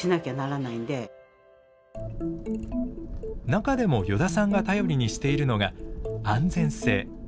中でも依田さんが頼りにしているのが安全性。